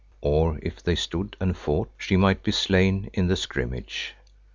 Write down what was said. Or if they stood and fought, she might be slain in the scrimmage.